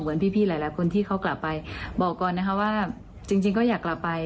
เหมือนพี่หลายคนที่เขากลับไปบอกก่อนนะคะว่าจริงก็อยากกลับไป